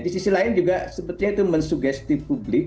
di sisi lain juga sepertinya itu mensuggesti publik